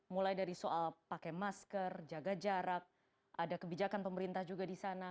mulai dari soal pakai masker jaga jarak ada kebijakan pemerintah juga di sana